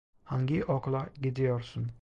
Hangi okula gidiyorsun?